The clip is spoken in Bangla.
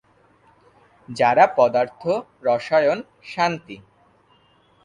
যারা পদার্থ, রসায়ন, শান্তি।